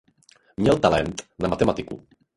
Měl talent na matematiku.